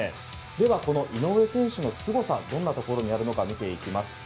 では、この井上選手のすごさどんなところにあるのか見ていきます。